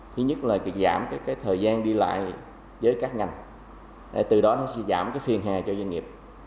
thứ nhất là giảm thời gian đi lại với các ngành từ đó sẽ giảm phiền hề cho doanh nghiệp